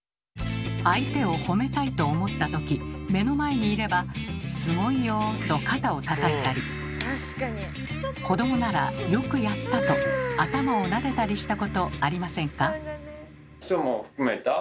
相手を褒めたいと思った時目の前にいれば「すごいよ」と肩をたたいたり子どもなら「よくやった」と頭をなでたりしたことありませんか？